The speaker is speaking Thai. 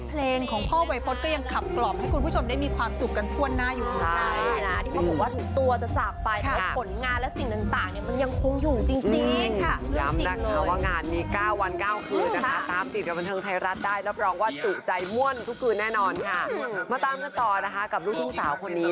เพลงของพ่อวัยพจน์ก็ยังขับกรอบให้คุณผู้ชมมีความสุข